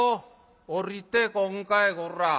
「下りてこんかいこら！